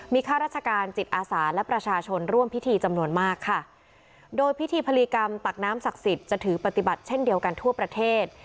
มีข้าราชการจิตอาสาและประชาชนร่วมพิธีจำนวนมากค่ะโดยพิธีพลีกรรมตักน้ำศักดิ์สิทธิ์จะถือปฏิบัติเช่นเดียวกันทั่วประเทศ